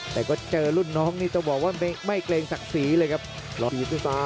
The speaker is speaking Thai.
แต่ก็เจอรุ่นน้องนี่จะบอกว่าไม่เกรงศักดิ์ศรีเลยครับ